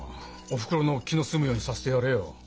おふくろの気の済むようにさせてやれよ。